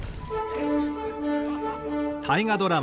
大河ドラマ